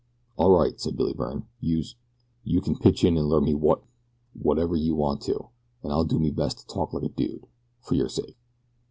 "All right," said Billy Byrne, "youse you kin pitch in an' learn me wot whatever you want to an' I'll do me best to talk like a dude fer your sake."